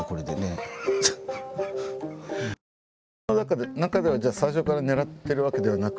ご自分の中ではじゃあ最初から狙ってるわけではなく。